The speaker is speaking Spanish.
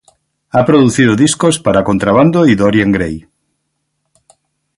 Ha producido discos para Contrabando y Dorian Gray.